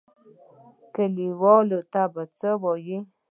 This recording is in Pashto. کليوالو ته به څه وايو.